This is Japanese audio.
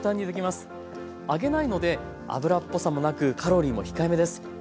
揚げないので油っぽさもなくカロリーも控えめです。